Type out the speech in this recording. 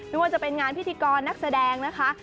ไม่ว่าจะเป็นงานพิธีกรนักแสดงนะคะ